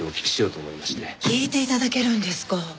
聞いて頂けるんですか。